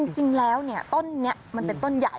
จริงแล้วต้นนี้มันเป็นต้นใหญ่